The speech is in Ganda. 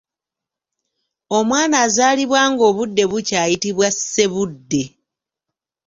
Omwana azaalibwa nga obudde bukya ayitibwa Ssebudde.